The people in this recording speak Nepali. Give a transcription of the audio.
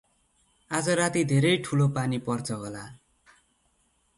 आज राती धेरै ठुलो पानी पर्छ होला ।